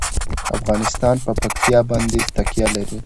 افغانستان په پکتیا باندې تکیه لري.